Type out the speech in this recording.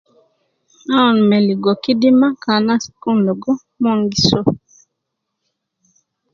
Mon me ligo kidima ke anas kun ligo mon gi soo